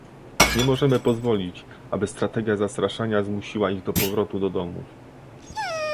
Nie możemy pozwolić, aby strategia zastraszania zmusiła ich do powrotu do domów